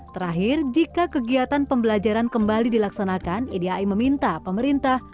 terakhir jika kegiatan pembelajaran kembali dilaksanakan idii meminta pemerintah pihak swasta